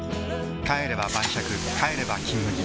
帰れば晩酌帰れば「金麦」